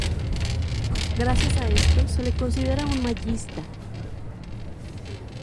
Gracias a esto, se le considera un mayista.